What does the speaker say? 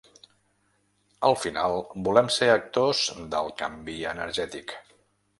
Al final, volem ser actors del canvi energètic.